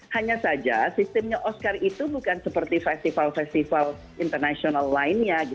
hanya saja sistemnya oscar itu bukan seperti festival festival internasional lainnya